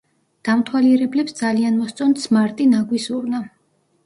დამთვალიერებლებს ძალიან მოსწონთ „სმარტი“ ნაგვის ურნა.